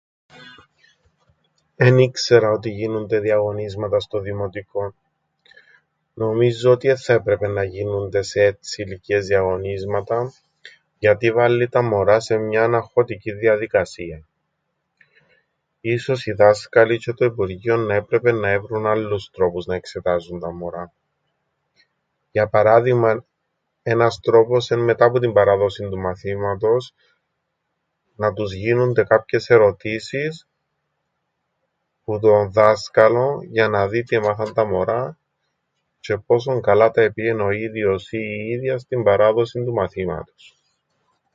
Εν ήξερα ότι γίνουνται διαγωνίσματα στο δημοτικόν. Νομίζω ότι εν θα έπρεπεν να γίνουνται σε έτσι ηλικίες διαγωνίσματα, γιατί βάλλει τα μωρά σε μιαν αγχωτικήν διαδικασίαν. Ίσως οι δάσκαλοι τζ̆αι το υπουργείον να έπρεπεν να έβρουν άλλους τρόπους να εξετάζουν τα μωρά. Για παράδειγμαν ένας τρόπος εν' μετά που την παράδοσην του μαθήματος να τους γίνουνται κάποιες ερωτήσεις που τον δάσκαλον για να δει τι εμάθαν τα μωρά τζ̆αι πόσον καλά τα επήεν ο ίδιος ή η ίδια στην παράδοσην του μαθήματος.